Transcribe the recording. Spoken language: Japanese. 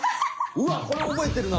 うわこれおぼえてるな！